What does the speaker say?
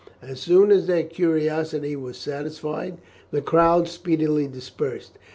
As soon as their curiosity was satisfied, the crowd speedily dispersed.